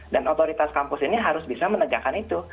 dan otoritas kampus ini harus bisa menegakkan itu